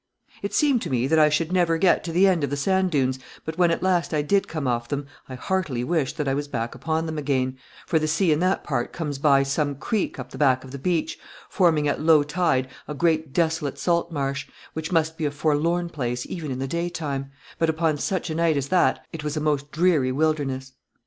It seemed to me that I should never get to the end of the sand dunes, but when at last I did come off them I heartily wished that I was back upon them again; for the sea in that part comes by some creek up the back of the beach, forming at low tide a great desolate salt marsh, which must be a forlorn place even in the daytime, but upon such a night as that it was a most dreary wilderness.